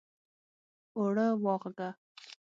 اوړه واغږه!